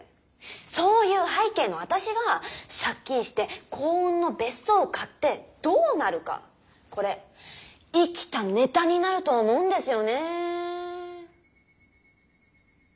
そういう背景の私が借金して幸運の別荘を買ってどうなるかこれ生きたネタになると思うんですよねー。